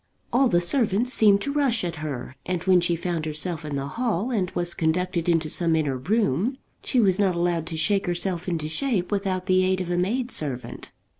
All the servants seemed to rush at her, and when she found herself in the hall and was conducted into some inner room, she was not allowed to shake herself into shape without the aid of a maid servant.